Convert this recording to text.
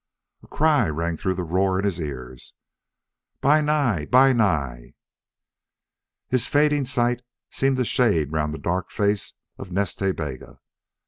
A cry rang through the roar in his ears. "Bi Nai! Bi Nai!" His fading sight seemed to shade round the dark face of Nas Ta Bega.